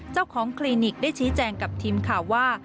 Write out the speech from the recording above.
คลินิกได้ชี้แจงกับทีมข่าวว่า